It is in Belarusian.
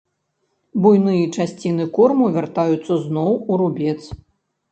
Буйныя часціцы корму вяртаюцца зноў у рубец.